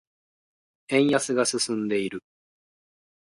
円安が進んでいる。